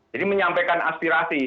jadi menyampaikan aspirasi